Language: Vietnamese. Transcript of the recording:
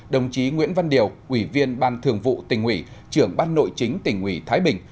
đồng chí nguyễn văn điều ủy viên ban thường vụ tỉnh ủy trưởng ban nội chính tỉnh ủy thái bình